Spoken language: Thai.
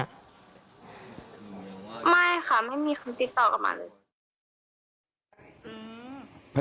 ไม่ค่ะไม่มีคนติดต่อกลับมาเลย